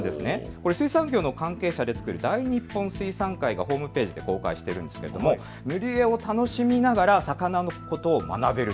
これ、水産業の関係者で作る大日本水産会がホームページで公開しているんですが塗り絵を楽しみながら魚のことを学べると。